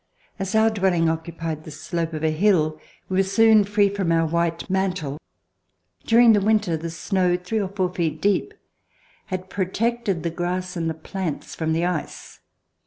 As our dwell ing occupied the slope of a hill, we were soon free from our white mantle. During the winter, the snow, three or four feet deep, had protected the grass and the plants from the ice.